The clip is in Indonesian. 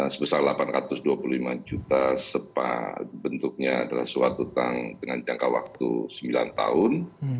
sebesar delapan ratus dua puluh lima juta bentuknya adalah suatu dengan jangka waktu sembilan tahun